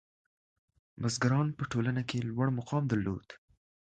• بزګران په ټولنه کې لوړ مقام درلود.